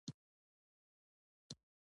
ژبه د بیان بریالۍ وسیله ده